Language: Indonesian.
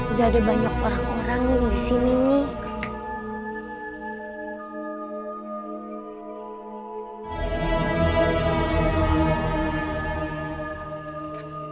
udah ada banyak orang orang yang disini nih